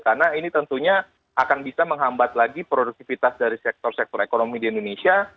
karena ini tentunya akan bisa menghambat lagi produktivitas dari sektor sektor ekonomi di indonesia